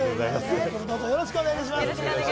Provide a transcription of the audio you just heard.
本日もどうぞよろしくお願いします。